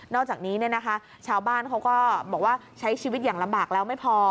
อกจากนี้ชาวบ้านเขาก็บอกว่าใช้ชีวิตอย่างลำบากแล้วไม่พอ